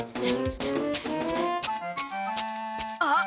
あっ。